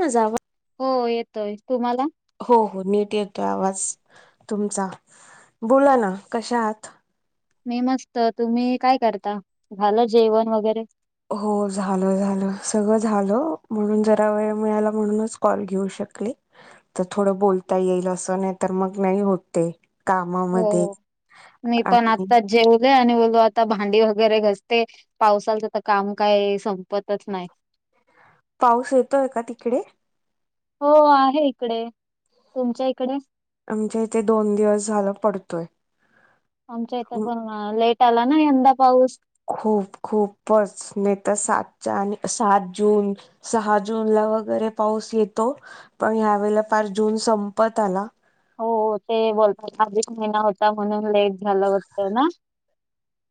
मजावा हो येतोय तुम्हाला हो हो नीट येतो आवाज तुमचा बोला ना कशा आात मी मस्त तुम्ही काय करता झाल जेवण वगैरे हो झाल झाल सगळं झाल म्हणून जरा वेळ मिळाला म्हणूनच कॉल घेऊ शकली तर थोडं बोलता येईल असं नाही तर मग नाही होते कामामध्ये हो. मी पण आणि आत्ताच जेवले आणि बोलू आता भांडी वगैरे घसते पावसालच तर काम काय संपत तच नाही पाऊस येतोय का तिकडे हो आहे इकडे तुमच्या इकडे- आमच्या इथे दोन दिवस झाल पडतोय. आमच्या इथं म- पण लेट आला ना यंदा पाऊस खूप खूपच नाही तर सातच्या आणि सात जून सहा जून ला वगैरे पाऊस येतो पण ह्यावेेळेला फार जून संपत आला हो ते बोलतात अधिक महिना होता म्हणून लेट झालं वाटतं ना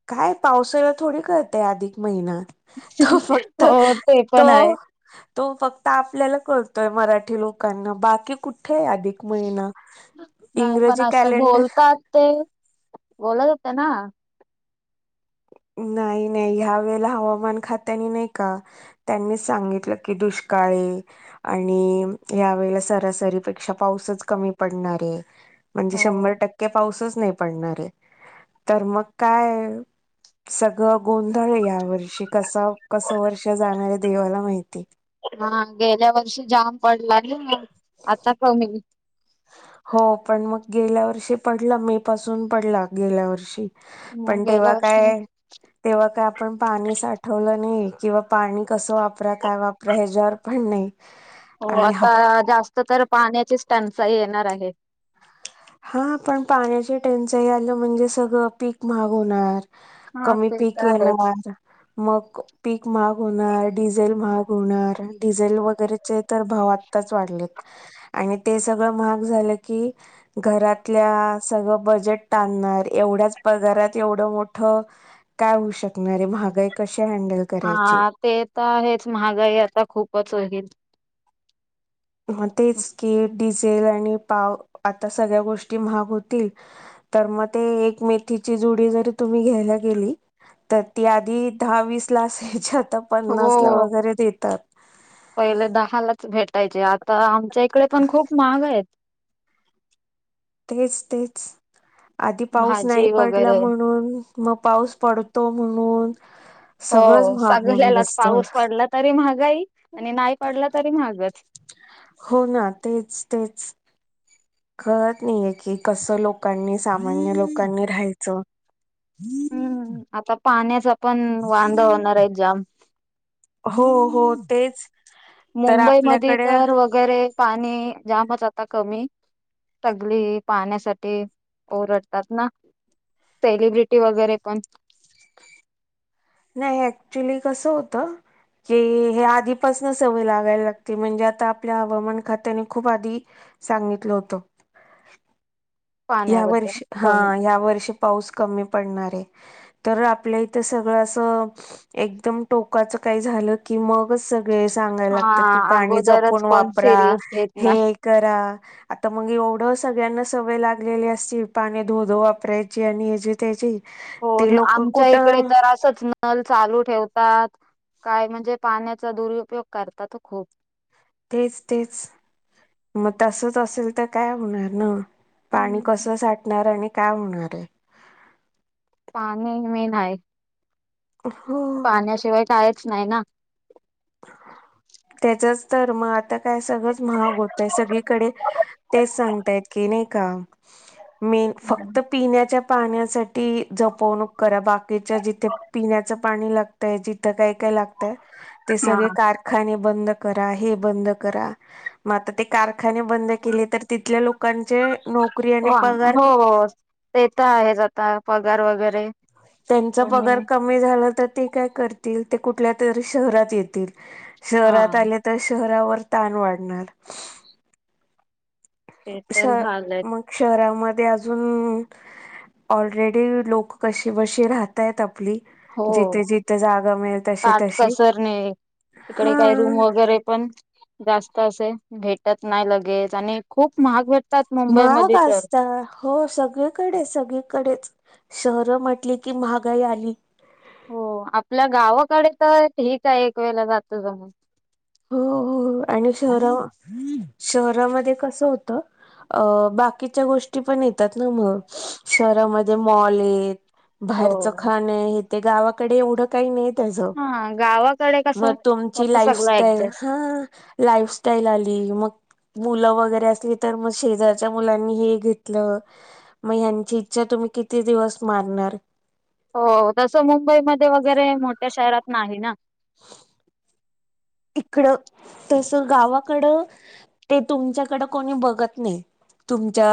काय पावसाला थोडी कळतेय अधिक महिना तो फक्त हो ते त पण आहे. तो फक्त आपल्याला कळतोय मराठी लोकांना बाकी कुठे आहे अधिक महिना नाही पण इंग्रजी असं कॅलेंडर बोलतात ते बोलत हो ना नाही नाही ह्या वेळेला हवामान खात्याने नाही का त्यांनी सांगितलं की दुष्काळी आणि यावेेळेला सरासरीपेक्षा पाऊसच कमी पडणार आहे म्हणजे हो. शंभर टक्के पाऊसच नाही पडणार आहे तर मग काय सगळं गोंधळ आहे या वर्षी कस कसं वर्ष जाणाऱ्या देवाला माहिती हा गेल्या वर्षी जाम पडला ना आता कमी हो पण मग गेल्या वर्षी पडला मे पासून पडला गेल्या वर्षी मग पण गेल्या तेव्हा वर्षी काय तेव्हा काय आपण पाणी साठवलं नाही किंवा पाणी कसं वापरा काय वापरा ह्याच्यावर पण नाही हो आणि हा आता जास्त तर पाण्याचीच त्यांनचाही येणार आहे हा पण पाण्याचे टेंचन यालं म्हणजे सगळं पीक महाग होणार हा कमी ते तर पीक आहेच येणार मग पीक महाग होणार डिझेल महाग होणार डिझेल वगैरे तर भाव आताच वाढले आणि ते सगळं महाग झालं की घरातल्या सगळं बजेट टाणणार एवढ्याच पगारात एवढं मोठं काय होऊ शकणारे महागाई कश हँडल करायची हा ते तर हेच महागाई आता खूपच होईल तेच की डिझेल आणि पाव आता सगळ्या गोष्टी महाग होतील तर मग ते एक मेथीची जुडी जरी तुम्ही घ्यायला गेली तर ती आधी दहावीीस ला असायची आता पन्नास ला हो वगैरे देतात पहिले दहालाच भेटायचे आता आमच्या इकडे पण खूप महाग आहेत तेच तेच आधी पाऊस नाही भाजी पडला वगैरे म्हणून मग पाऊस पडतो म्हणून सगळंच हो महाग होऊन सगळल्यालाच बसतं पाऊस पडला तरी महागाई आणि नाही पडला तरी महागच हो ना तेच तेच कळत नाहीय की कसं लोकांनी सामान्य लोकांनी राहायचं हम्म आता पाण्याचा पण वांदाा होणार आहे जाम हो हो तेच तर मुंबईमध्ये आपल्याकडे तर वगैरे पाणी जामच आता कमी तगली पाहण्यासाठी ओरडतात ना सेलिब्रिटी वगैरे पण नाही ऍक्च्युली कस होतं क हे आधीपासन सवय लागायला लागते म्हणजे आता आपल्या हवामान खात्याने खूप आधी सांगितलं होतं या पाण्याबद्दल वर्षी हा कमी या वर्षी पाऊस कमी पडणार आहे तर आपल्या इथं सगळं असं एकदम टोकाचं काही झालं की मगच स सांगायला हा लागतात की पाणी अगोदरच जपून कोण वापरा सिरियस घेत नाही हे करा आता मग एवढं सगळ्यांना सवय लाग लेली असतील पाणी धोध वापरायची आणि हची त्याची हो ते लोक आमच्या इकडे कुठं तर असच ना नल चालू ठेवतात काय म्हणजे पाण्याचा दुरुपयोग करतात खूप तेच तेच मग तसच असेल तर काय होणार ना पाणी हम्म कसं साठणार आणि काय होणार आहे पाणी मीन आहे हो पाण्याशिवाय कायच नाही ना त्याचच र्म आता काय सगळंच महाग होतंय सगळीकडे तेच सांगतायत की नाही का मी हम्म. फक्त पिण्याच्या पाण्यासाठी जपवणूक करा बाकीच्या जिथे पिण्याचं पाणी लाग जिथं काय काय लागतय ते हा सगळे कारखाने बंद करा हे बंद करा म आता ते कारखाने बंद केले तर तिथल्या लोकांचे नोक हो हो, ते तर आहेच आता पगार वगैरे. त्यांचा तुम्ही पगार कमी झाला तर ते काय करतील ते कुठल्या तरी शहरात येतील. हा शहरात आले तर शहरावर ताण वाढणार. ते श तर झालंय मग शहरामध्ये अजुन ऑलरेडी लोक कशी बशी राहतायत आपली. हो जिथे जिथे जागा मिळेल तशी तशी इकडे हा काही रूम वगैरे पण, जास्त असे भेटत नाही लगेच आणि खूप महाग भेटतात महाग मुंबईमध्ये तर. असता हो सगळीकडे सगळीकडेच, शहरं म्हटली की महागाई आली. हो आपल्या गावाकडे तर हे काय एक वेळेला जात जमून. हो हो आणि शहरा, शहरामध्ये कसं होत अ बाकीच्या गोष्टी पण येतात ना मग शहरामध्ये मॉल येत. हो बाहेरचं खाण आहे हे ते गावाकडे एवढं काही नाही त्याज, हा गावाकडे म कसं तुमची होत सगळं लाइफस्टाइल ह ऍडजस्ट ह, लाईफस्टाईल आली मग मुलं वगैरे असली तर मग शेजारच्या मुलांनी हे घेतलं. म ह्यांची इच्छा तुम्ही किती दिवस मारणार? हो तसं मुंबईमध्ये वगैरे मोठ्या शहरात नाही ना. [inaudible] इकडं, तस गावाकडं, ते तुमच्याकड कोणी बघत नाही.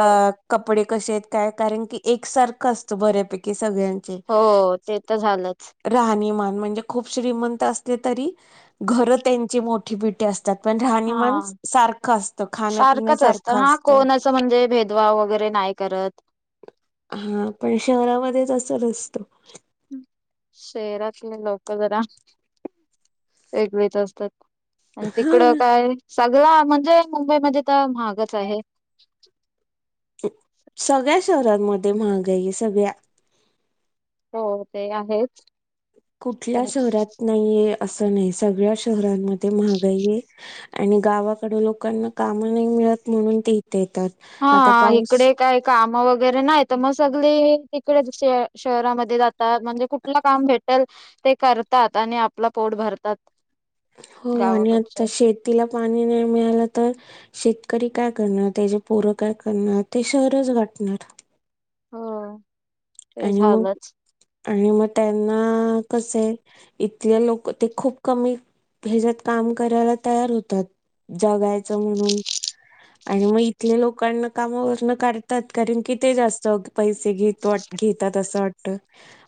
हो कपडे कसे आहेत काय कारण की एकसारखं असतं बऱ्यापैकी सगळ्यां हो ते तर झालंच. राहणीमान म्हणजे खूप श्रीमंत असते तरी, घर त्यांची मोठी पिटी अस तात पण हा राहणीमान सारखं असतं खाणपिण सारखंच सारखं हा असतं. कोण असं म्हणजे भेदभाव वगैरे नाही करत. हा पण शहरामध्येच अस नसत. शहरातले लोक जरा, वेगळेच असतात. आणि हा तिकडं काय, सगळा म्हणजे मुंबईमध्ये तर महागच आहे. सगळ्या शहरांमध्ये महागाई सगळ्या. हो ते आहेच. कुठल्या पण शहरात नाहीये असं नाही सगळ्या शहरांमध्ये महागाई आणि गावाकड लोकांना कामं नाही मिळत म्हणून ते इथे येतात. हा आता पाऊस इकडे काय काम वगैरे नाही तर मग सगळे तिकडे दुसऱ्या शहरामध्ये जातात म्हणजे कुठ ल काम भेटल, ते करतात आणि आपला पोट भरतात. हो आणि आता गावाकडचे शेतीला पाणी नाही मिळालं तर शेतकरी काय करणार त्याजी पोरं काय करणार ते शहरच गाठणार. हो. ते आणि मग झालंच आणि मग त्यांना कस आहे, इथले लोक ते खूप कमी ह्याच्यात काम करायला तयार होतात, जगायचं म्हणून. आणि म इथल्या लोकांना कामावरन काढतात कारण किथ जास्त पैसे घेत वाट तात अस वाटत,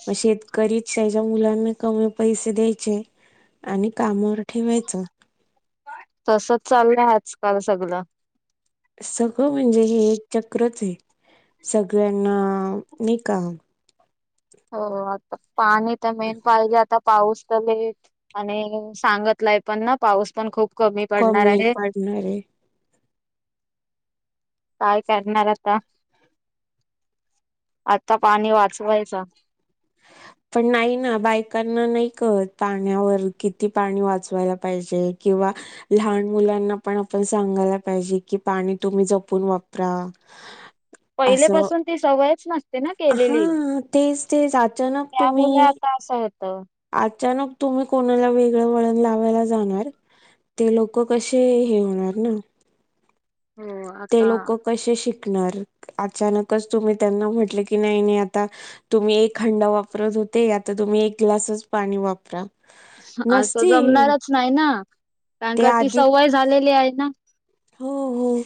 म शेतकरीच्या मुलांना कमी पैसे द्यायचे. आणि कामावर ठेवायचं. तसच चाललंय आजकाल सगळ. सगळं म्हणजे हे एक चक्रच आहे, सगळ्यांना नाई का हो, आता पाणी तर मेन पाहिजे आता पाऊस तर लेट आणि सांगतलाय पण ना पाऊस पण खूप पडणार कमी आहे. पडणारे. काय करणार आता, आता पाणी वाचवायचा पण नाही ना बायकांना नाही कत पाण्यावर किती पाणी वाचवायला पाहिजे किंवा लहान मुलांना पण आपण सांगायला पाहिजे कि पाणी तुम्ही जपून वापरा [inaudible] पहिले असं पाासून ती सवयच नसते ना केलेली. हा तेच तेच अचानक मुलं तुम्ही आता असं आहेत. अचानक तुम्ही कोणाला वेगळं वळण लावायला जाणार ते लोक कसे हे होणार ना हो ते आता लोक कसे शिकणार अचानकच तुम्ही त्यांना म्हटले की नाही नाही आता तुम्ही एक हंडा वापरत होते. आता तुम्ही एक ग्लासच पाणी वापरा. असं नसतील जमणारच नाही ना कारण ते का ती आधी सवय झालेली आहे ना [unintelligible]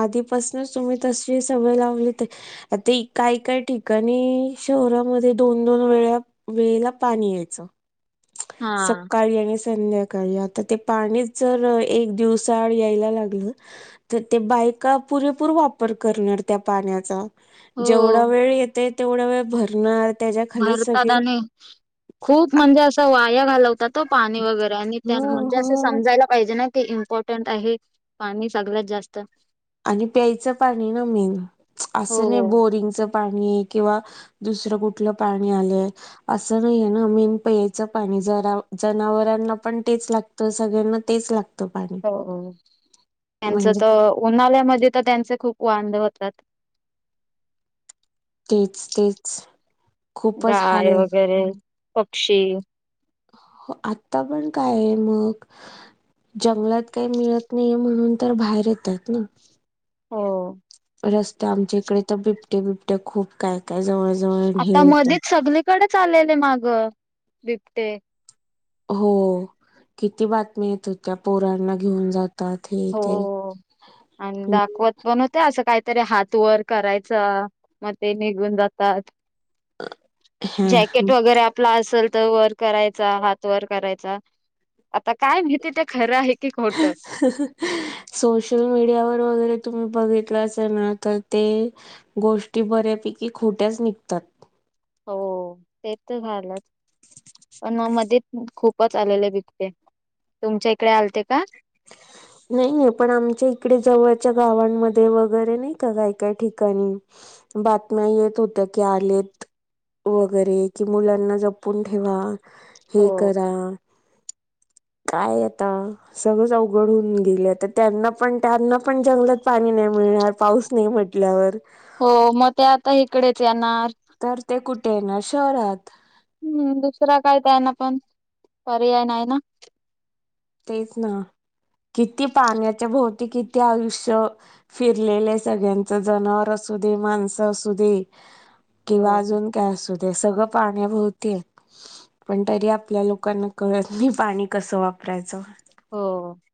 आधीपासनच तुम्ही तशी सवय लावली त आता ही काय काय ठिकाणी शहरामध्ये दोन दोन वेळा वेळेला पाणी यायचं हा सकाळी आणि संध्या काय आता ते पाणीच जर एक दिवसाआड यायला लागलं तर ते बायका पुरेपूर वापर करणार त्या पाण्याचा हो जेवढा वेळ येतय तेवढा वेळ भरणार. त्याच्या खाली भरतात सगळे आणि खूप म्हणजे असां वाया घालवतात हो पाणी वगैरे आणि त्यां हो म्हणजे असे हो समजायला पाहिजे ना ते इम्पॉर्टंट आहे पाणी सगल्यात जास्त आणि प्यायचं पाणी ना मेन हो असं नाय बोरिंगचं पाणी किंवा दुसरं कुठलं पाणी आलंय असं नाहीये ना मेन प्यायचं पाणी जरा जनावरांना पण तेच लागतं सगळ्यांना तेच लाग हो हो त्यांच म्हणजे त अ उन्हाल्यामध्ये तर त्यांचे खूप वांद होतात. तेच तेच खूपच हाल गाय वगैरे पक्षी हो आता पण काय ये मग जंगलात काय मिळत नाय म्हणून तर बाहेर येतात ना हो. रस्ते आमच्या इकडे तर बिबट्ये बिपट्ये खूप काय काय जवळ जवळ हे आता होत मधीत सगलीकडेचं आलेले माग बिबटे हो किती बातमी येत होत्या पोरांना घेऊन जात हो आणि दाखवत पण होत असं कायतरी हात वर करायचं म ते निघून जातात. जॅकेट हां. वगैरे आपला असल त वर करायचा. हात वर करायचा. आता काय मीती ते खरं हाय की खोटं सोशल मीडियावर वगैरे तुम्ही बघितलं असल ना तर ते गोष्टी बऱ्यापैकी खोट्याच निघतात. हो ते त झालंच. पण म मध्येत खूपच आलेले बिबटे, तुमच्या इकडे आलते का? [inaudible] नाहीये पण आमच्या इकडे जवळच्या गावांमध्ये वगैरे नाही का काय काय ठिकाणी बातम्या येत होत्या की आलेत. वगैरे की मुलांना जपून ठेवा. हे हो. करा. काय आता सगळच अवघड होऊन गेलय त त्यांना पण त्यांना पण जंगलात पाणी नाय मिळणार पाऊस नाही म्हट टल्यावर हो म ते आता हीकडेच येणार. तर ते कुठे येणार शहरात. हम्म दुसरा काय त्याना पण पर्याय नाही ना. तेच ना किती पाण्याच्या भोवती किती आयुष्य फिरलेले सगळ्यांच जनावर असू दे माणसं असू दे. किंवा हो अजून काय असत. ते सगळं पाण्याभोवती हाय. पण तरी आपल्या लोकांना कळत नाही पाणी कसं वापरा वापरायचं. हो.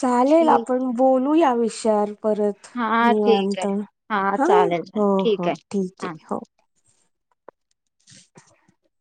चालेल आपण बोलू या विषयावर परत. हां ठीक आहे. निवांत हां हा. चालेल हो, ठीक हो आहे. ठीक हां. आहे हो. [inaudible]